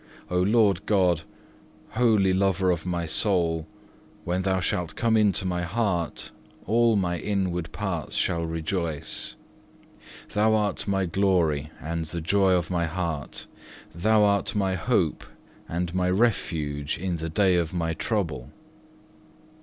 O Lord God, Holy lover of my soul, when Thou shalt come into my heart, all my inward parts shall rejoice. Thou art my glory and the joy of my heart. Thou art my hope and my refuge in the day of my trouble.